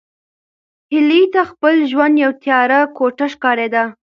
هیلې ته خپل ژوند یوه تیاره کوټه ښکارېده.